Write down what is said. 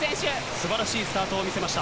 すばらしいスタートを見せました。